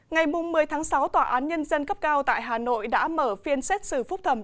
ngày một mươi tháng sáu tòa án nhân dân cấp cao tại hà nội đã mở phiên xét xử phúc thẩm